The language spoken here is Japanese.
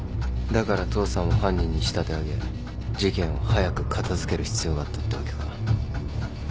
だから父さんを犯人に仕立て上げ事件を早く片付ける必要があったってわけか